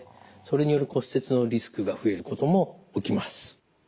それによる骨折のリスクが増えることも起きます。